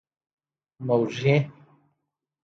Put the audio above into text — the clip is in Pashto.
موږي.